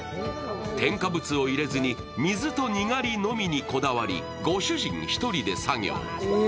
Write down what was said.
添加物を入れずに水とにがりのみにこだわりご主人１人で作業。